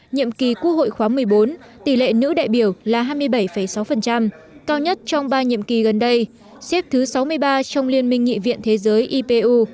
nhiệm kỳ quốc hội khóa một mươi bốn tỷ lệ nữ đại biểu là hai mươi bảy sáu cao nhất trong ba nhiệm kỳ gần đây xếp thứ sáu mươi ba trong liên minh nghị viện thế giới ipu